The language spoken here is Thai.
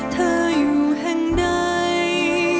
เธออยู่แห่งใด